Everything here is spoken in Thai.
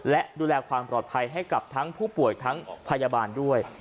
และดูแลความปลอดภัยให้กับทั้งผู้ป่วยทั้งพยาบาลด้วย